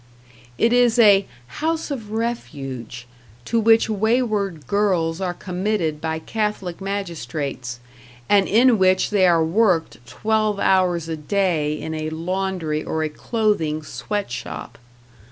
It is a "House of Refuge", to which wayward girls are committed by Catholic magistrates, and in which they are worked twelve hours a day in a laundry or a clothing sweat shop.